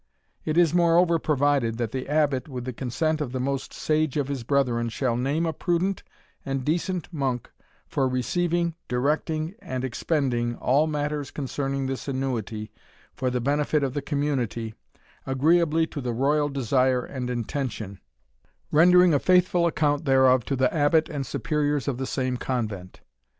It is, moreover, provided, that the abbot, with the consent of the most sage of his brethren, shall name a prudent and decent monk for receiving, directing, and expending, all matters concerning this annuity for the benefit of the community, agreeably to the royal desire and intention, rendering a faithful account thereof to the abbot and superiors of the same convent.